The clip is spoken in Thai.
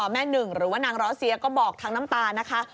แม่หนึ่งหรือว่านางร้อเซียก็บอกทั้งน้ำตานะคะ